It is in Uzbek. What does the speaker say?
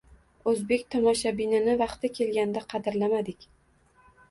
O‘zbek tomoshabinini vaqti kelganda qadrlamadik.